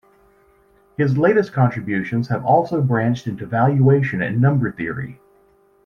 His latest contributions have also branched into valuation and number theory.